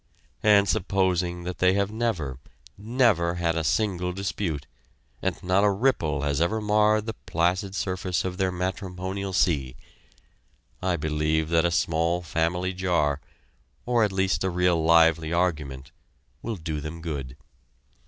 And supposing that they have never, never had a single dispute, and not a ripple has ever marred the placid surface of their matrimonial sea, I believe that a small family jar or at least a real lively argument will do them good.